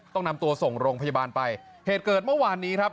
ต้องนำตัวส่งโรงพยาบาลไปเหตุเกิดเมื่อวานนี้ครับ